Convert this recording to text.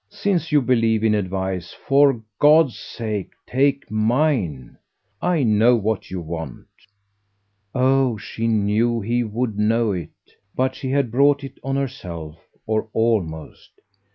Since you believe in advice, for God's sake take MINE. I know what you want." Oh she knew he would know it. But she had brought it on herself or almost.